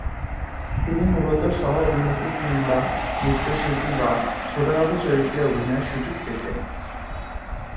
তিনি মূলত সহ-অভিনেত্রী কিংবা নৃত্যশিল্পী বা ছোটোখাটো চরিত্রে অভিনয়ের সুযোগ পেতেন।